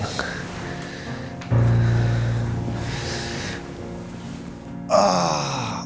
rantak juga nih tulang